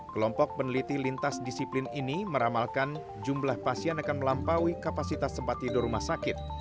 kelompok peneliti lintas disiplin ini meramalkan jumlah pasien akan melampaui kapasitas tempat tidur rumah sakit